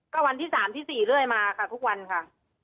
ก็วันที่๓ที่๔เรื่อยมาค่ะทุกวันค่ะ